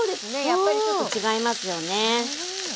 やっぱりちょっと違いますよね。